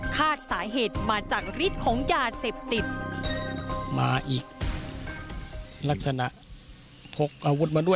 คาดสาเหตุมาจากฤทธิ์ของยาเสพติด